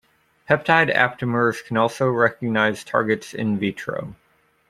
Peptide aptamers can also recognize targets "in vitro".